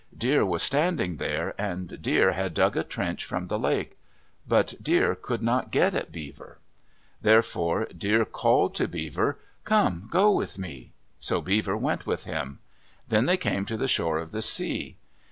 Deer was standing there, and Deer had dug a trench from the lake. But Deer could not get at Beaver. Therefore Deer called to Beaver, "Come, go with me." So Beaver went with him. Then they came to the shore of the sea.